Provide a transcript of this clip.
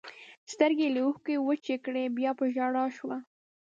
سترګې یې له اوښکو وچې کړې، بیا په ژړا شوه.